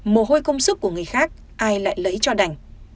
mồ hôi công sức của người khác ai lại lấy cho đành